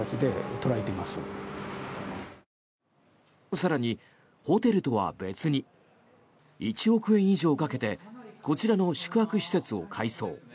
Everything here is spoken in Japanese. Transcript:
更に、ホテルとは別に１億円以上かけてこちらの宿泊施設を改装。